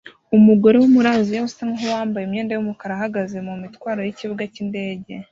Umugore wo muri Aziya usa nkuwambaye imyenda yumukara ahagaze mumitwaro yikibuga cyindege